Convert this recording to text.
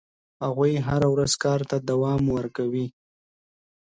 هغوی هره ورځ کار ته دوام ورکوي.